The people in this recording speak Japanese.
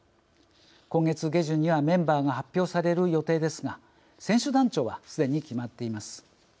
今月下旬にはメンバーが発表される予定ですが選手団長はすでに決まっています。